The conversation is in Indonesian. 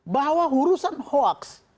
bahwa urusan hoaks